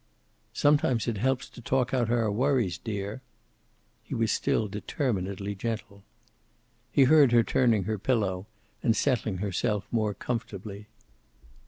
"Sometimes it helps to talk out our worries, dear." He was still determinedly gentle. He heard her turning her pillow, and settling herself more comfortably.